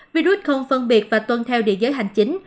virus không phân biệt và tuân theo địa giới hành chính